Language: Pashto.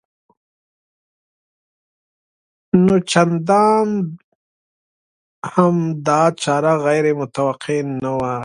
نو چندان هم دا چاره غیر متوقع نه وه